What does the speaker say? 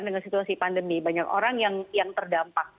dengan situasi pandemi banyak orang yang terdampak